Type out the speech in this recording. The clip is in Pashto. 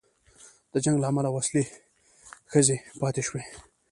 د جنګ له امله وسلې ښخي پاتې شوې.